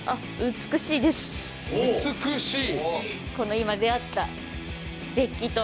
美しい？